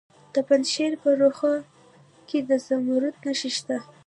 د پنجشیر په روخه کې د زمرد نښې شته.